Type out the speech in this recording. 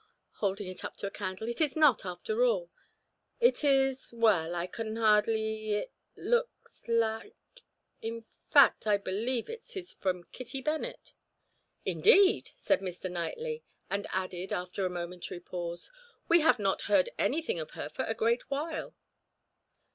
holding it up to a candle, "it is not, after all. It is well I can hardly it looks like in fact, I believe it is from Kitty Bennet." "Indeed!" said Mr. Knightley, and added, after a momentary pause: "We have not heard anything of her for a great while."